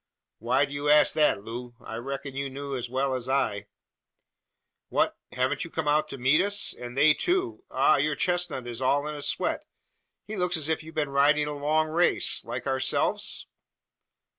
"Why do you ask that, Loo? I reckon you know as well as I." "What! haven't you come out to meet us? And they too ah! your chestnut is all in a sweat! He looks as if you had been riding a long race like ourselves?"